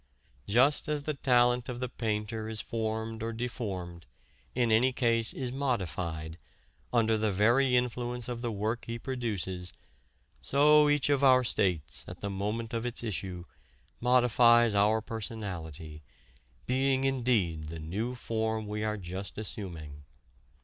"Just as the talent of the painter is formed or deformed in any case, is modified under the very influence of the work he produces, so each of our states, at the moment of its issue, modifies our personality, being indeed the new form we are just assuming.